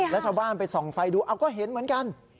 แล้วชาวบ้านไปส่องไฟดูเอาก็เห็นเหมือนกัน